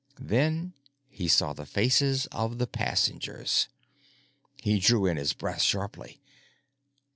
Then he saw the faces of the passengers. He drew in his breath sharply.